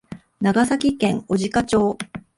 長崎県小値賀町